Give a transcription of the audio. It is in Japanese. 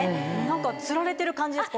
何かつられてる感じです